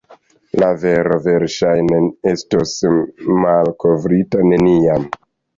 La vero verŝajne estos malkovrita neniam.